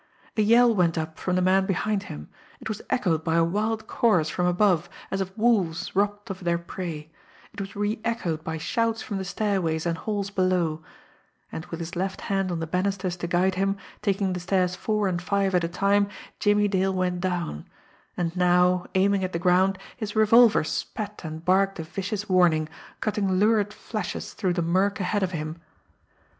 A yell went up from the man behind him; it was echoed by a wild chorus from above, as of wolves robbed of their prey; it was re echoed by shouts from the stairways and halls below and with his left hand on the banisters to guide him, taking the stairs four and five at a time, Jimmie Dale went down and now, aiming at the ground, his revolver spat and barked a vicious warning, cutting lurid flashes through the murk ahead of him.